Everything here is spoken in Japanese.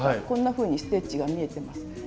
こんなふうにステッチが見えてます。